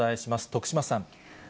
徳島さん。